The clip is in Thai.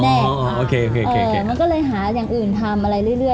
แต่มันก็เลยหาอย่างอื่นทำอะไรเรื่อย